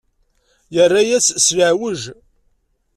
Yerra-yas s leɛweǧ.